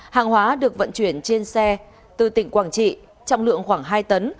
hàng hóa được vận chuyển trên xe từ tỉnh quảng trị trọng lượng khoảng hai tấn